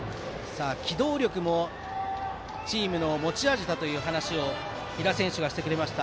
機動力もチームの持ち味だという話を飛弾選手がしてくれました。